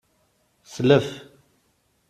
Slef.